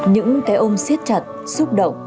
những cái ôm siết chặt xúc động